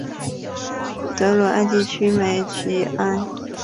德鲁艾地区梅齐埃。